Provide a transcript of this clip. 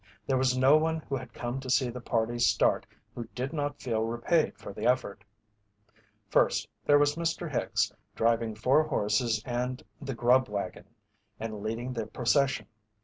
There was no one who had come to see the party start who did not feel repaid for the effort. First, there was Mr. Hicks, driving four horses and the "grub wagon," and leading the procession.